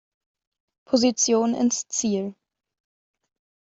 Position ins Ziel.